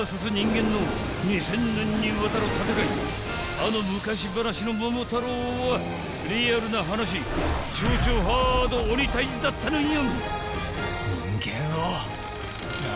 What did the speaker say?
［あの昔話の『桃太郎』はリアルな話超・超ハード鬼退治だったのよ］